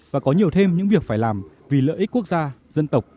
và có nhiều thêm những việc phải làm vì lợi ích quốc gia dân tộc